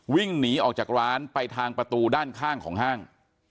วิ่งหนีออกจากร้านไปทางประตูด้านข้างของห้าง